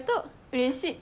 うれしい。